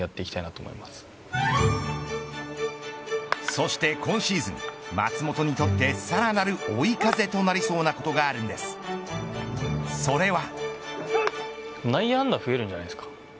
そして今シーズン松本にとってさらなる追い風となりそうなことがあるんですそれは。